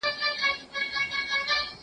زه به لاس مينځلي وي